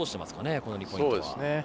この２ポイントは。